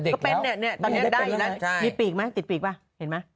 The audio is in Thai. เด็กเนี้ยเนี้ยตอนเนี้ยได้นะใช่มีปีกมั้ยติดปีกปะเห็นมั้ย